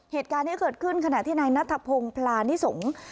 เหตุการณ์นี้เกิดขึ้นขณะที่นายนัทพงศ์พลานิสงฆ์